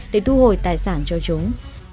để thu hồi tài sản cho chúng